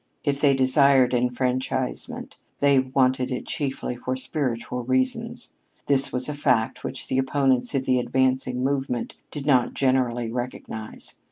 If they desired enfranchisement, they wanted it chiefly for spiritual reasons. This was a fact which the opponents of the advancing movement did not generally recognize.